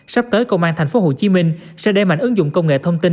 sắp tới công an thành phố hồ chí minh sẽ đem ảnh ứng dụng công nghệ thông tin